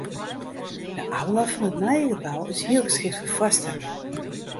De aula fan it nije gebou is hiel geskikt foar foarstellingen.